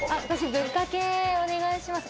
ぶっかけお願いします